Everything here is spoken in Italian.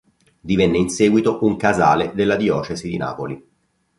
Divenne in seguito un casale della diocesi di Napoli.